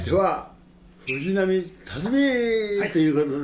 ということで。